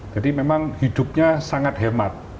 jadi memang hidupnya sangat hemat